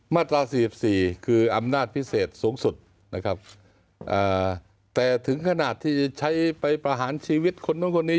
ม๔๔คืออำนาจพิเศษสูงสุดแต่ถึงขนาดที่จะใช้ไปประหารชีวิตคุณพวกคนนี้